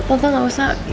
tentang gak usah